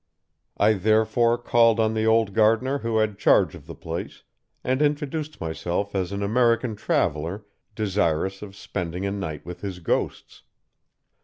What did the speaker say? I therefore called on the old gardener who had charge of the place, and introduced myself as an American traveller desirous of spending a night with his ghosts.